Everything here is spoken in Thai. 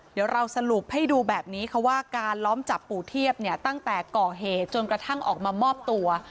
เดี๋ยวเราสรุปให้ดูแบบนี้ค่ะว่าการล้อมจับปู่เทียบเนี่ยตั้งแต่ก่อเหตุจนกระทั่งออกมามอบตัว